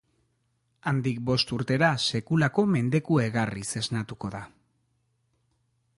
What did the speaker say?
Handik bost urtera sekulako mendeku egarriz esnatuko da.